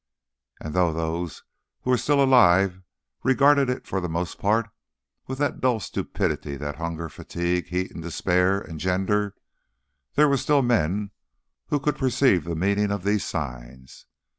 And though those who were still alive regarded it for the most part with that dull stupidity that hunger, fatigue, heat and despair engender, there were still men who could perceive the meaning of these signs.